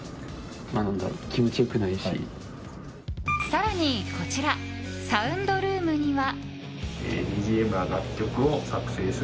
更に、こちらサウンドルームには。